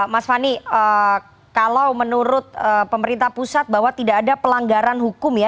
mas fani kalau menurut pemerintah pusat bahwa tidak ada pelanggaran hukum ya